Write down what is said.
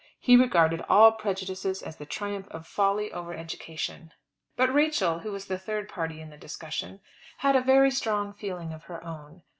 He regarded all prejudices as the triumph of folly over education. But Rachel, who was the third party in the discussion, had a very strong feeling of her own.